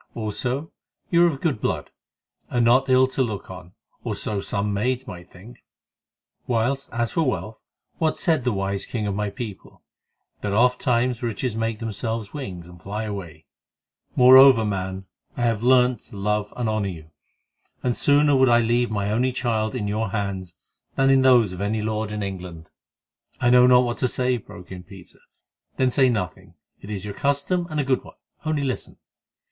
Also, you are of good blood, and not ill to look on, or so some maids might think; whilst as for wealth, what said the wise king of my people?—that ofttimes riches make themselves wings and fly away. Moreover, man, I have learned to love and honour you, and sooner would I leave my only child in your hands than in those of any lord in England." "I know not what to say," broke in Peter. "Then say nothing. It is your custom, and a good one—only listen.